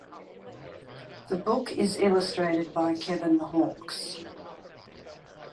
The book is illustrated by Kevin Hawkes.